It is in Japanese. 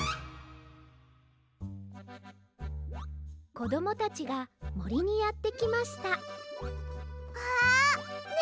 こどもたちがもりにやってきましたあね